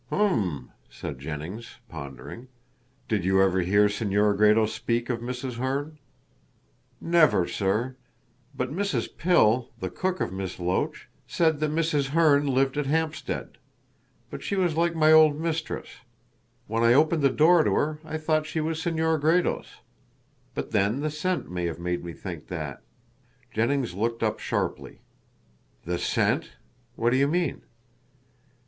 "Hum!" said Jennings, pondering. "Did you ever hear Senora Gredos speak of Mrs. Herne?" "Never, sir. But Mrs. Pill the cook of Miss Loach said that Mrs. Herne lived at Hampstead. But she was like my old mistress. When I opened the door to her I thought she was Senora Gredos. But then the scent may have made me think that." Jennings looked up sharply. "The scent? What do you mean?"